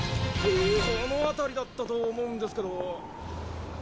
この辺りだったと思うんですけど。